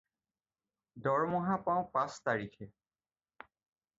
দৰমহা পাওঁ পাঁচ তাৰিখে।